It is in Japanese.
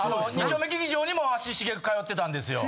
２丁目劇場にも足しげく通ってたんですよ。